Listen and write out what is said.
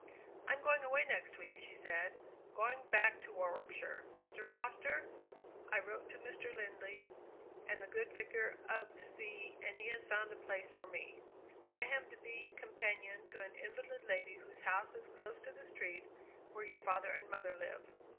"I am going away next week," she said, "going back to Warwickshire, Mr. Foster, I wrote to Mr. Lindley, the good Vicar of C , and he has found a place for me. I am to be companion to an invalid lady whose house is close to the street where your father and mother live.